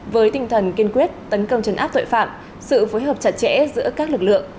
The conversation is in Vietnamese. với tinh thần kiên quyết tấn công chấn áp tội phạm sự phối hợp chặt chẽ giữa các lực lượng